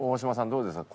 どうですか？